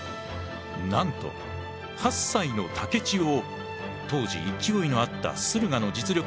なんと８歳の竹千代を当時勢いのあった駿河の実力者